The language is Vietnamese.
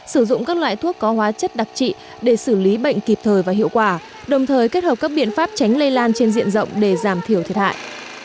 sử dụng các loại thuốc có hóa chất đặc trị để xử lý bệnh kịp thời và hiệu quả đồng thời kết hợp các biện pháp tránh lây lan trên diện rộng để giảm thiểu thiệt hại